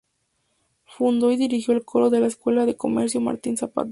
Fundó y dirigió el coro de la Escuela de Comercio Martín Zapata.